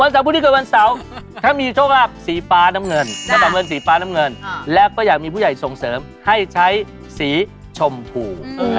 วันเสาร์ผู้เกิดวันเสาร์ถ้ามีโชคลาภสีฟ้าน้ำเงินและก็อยากมีผู้ใหญ่ส่งเสริมให้ใช้สีชมผู